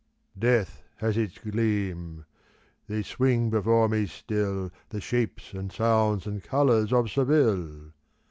Death has its gleam. They swing before me still. The shapes and sounds and colours of Seville